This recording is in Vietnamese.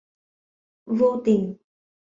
Vô tình